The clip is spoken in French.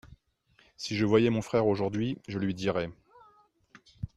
si je voyais mon frère aujourd'hui, je lui dirais.